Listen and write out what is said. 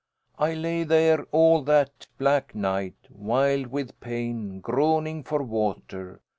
I lay there all that black night, wild with pain, groaning for water.